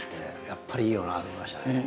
やっぱりいいよなと思いましたね。